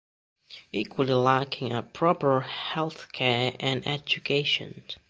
Equally lacking are proper healthcare and education.